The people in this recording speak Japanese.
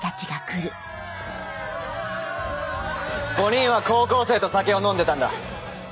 ５人は高校生と酒を飲んでたんだ。